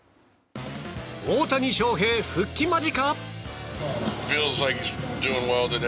大谷翔平、復帰間近？